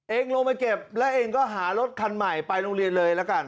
เองลงไปเก็บแล้วเองก็หารถคันใหม่ไปโรงเรียนเลยละกัน